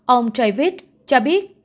ông david cho biết